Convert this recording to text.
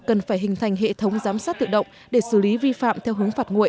cần phải hình thành hệ thống giám sát tự động để xử lý vi phạm theo hướng phạt nguội